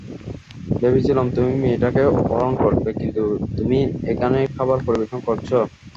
ভেবেছিলাম তুমি মেয়েটাকে অপহরণ করবে, কিন্তু তুমি এখানে খাবার পরিবেশন করছ!